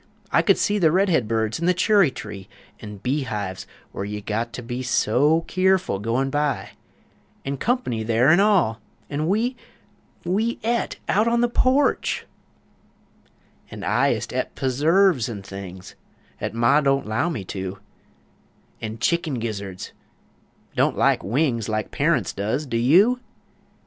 I could see The red heads in the churry tree; An' bee hives, where you got to be So keerful, goin' by; An' "Comp'ny" there an' all! an' we We et out on the porch! An' I ist et p'surves an' things 'At Ma don't 'low me to An' chickun gizzurds (don't like wings Like Parunts does! do you?)